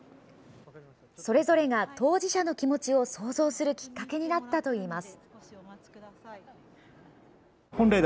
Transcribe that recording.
それぞれが当事者の気持ちを想像するきっかけになったといいます。